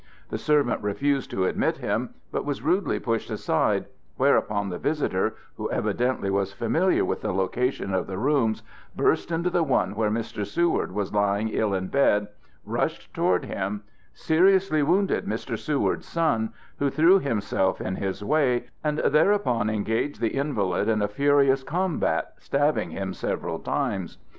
The servant refused to admit him, but was rudely pushed aside, whereupon the visitor, who evidently was familiar with the location of the rooms, burst into the one where Mr. Seward was lying ill in bed, rushed toward him, seriously wounded Mr. Seward's son, who threw himself in his way, and thereupon engaged the invalid in a furious combat, stabbing him several times.